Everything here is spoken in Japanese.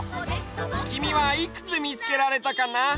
きみはいくつみつけられたかな？